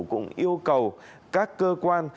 cũng yêu cầu các cơ quan